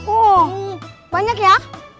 oh banyak ya